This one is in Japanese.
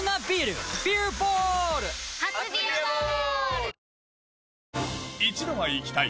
初「ビアボール」！